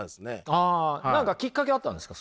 あ何かきっかけあったんですか？